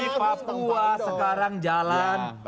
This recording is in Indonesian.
di papua sekarang jalan